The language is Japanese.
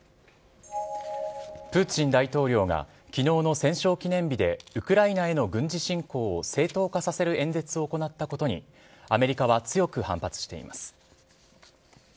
プーチン大統領が、きのうの戦勝記念日で、ウクライナへの軍事侵攻を正当化させる演説を行ったことに、アメリカは強く反発しています。